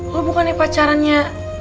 lu bukannya pacarannya